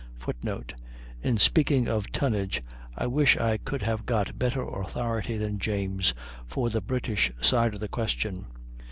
[Footnote: In speaking of tonnage I wish I could have got better authority than James for the British side of the question.